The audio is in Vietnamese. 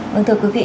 vâng thưa quý vị